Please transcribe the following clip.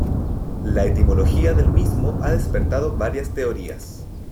La etimología del mismo ha despertado varias teorías.